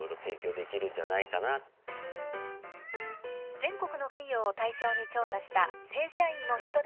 全国の企業を対象に調査した正社員の人手不足の割合です。